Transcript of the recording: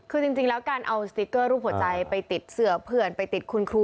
คือจริงแล้วการเอาสติ๊กเกอร์รูปหัวใจไปติดเสือเพื่อนไปติดคุณครู